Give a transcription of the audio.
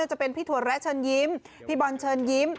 จะเป็นพี่ถั่วแระเชิญยิ้มพี่บอลเชิญยิ้ม